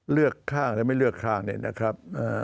เลือกข้างหรือไม่เลือกข้างเนี่ยนะครับ